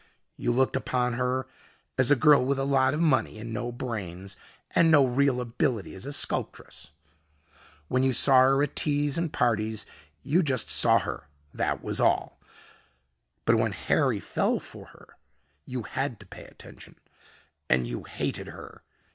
You looked upon her as a girl with a lot of money and no brains and no real ability as a sculptress. When you saw her at teas and parties you just saw her, that was all. But when Harry fell for her, you had to pay attention, and you hated her.